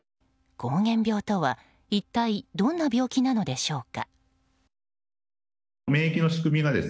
膠原病とは一体どんな病気なのでしょうか。